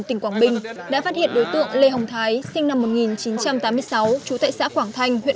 tỉnh quảng bình đã phát hiện đối tượng lê hồng thái sinh năm một nghìn chín trăm tám mươi sáu trú tại xã quảng thanh huyện